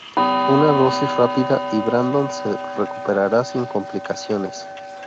Una dosis rápida y Brandon se recuperará sin complicaciones.